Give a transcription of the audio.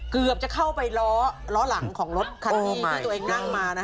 เกือบจะเข้าไปล้อหลังของรถคันนี้ที่ตัวเองนั่งมานะ